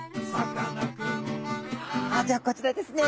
じゃあこちらですね。